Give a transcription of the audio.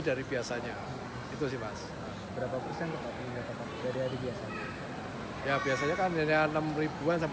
dari biasanya itu sih mas berapa persen tetapi tidak tetapi dari hari biasanya